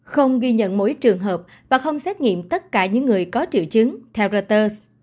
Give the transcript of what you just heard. không ghi nhận mỗi trường hợp và không xét nghiệm tất cả những người có triệu chứng theo reuters